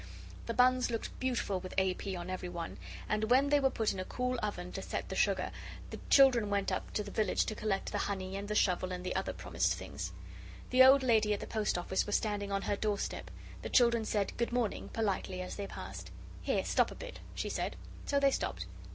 The buns looked beautiful with A. P. on every one, and, when they were put in a cool oven to set the sugar, the children went up to the village to collect the honey and the shovel and the other promised things. The old lady at the Post office was standing on her doorstep. The children said "Good morning," politely, as they passed. "Here, stop a bit," she said. So they stopped.